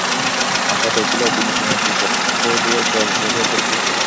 আশা দেখিল, বিনোদিনীর দুই চক্ষু দিয়া জল ঝরিয়া পড়িতেছে।